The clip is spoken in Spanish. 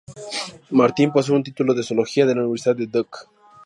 Martin posee un título en Zoología de la Universidad de Duke.